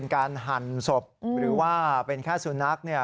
การหันศพหรือว่าเป็นข้าสุนัขเนี่ย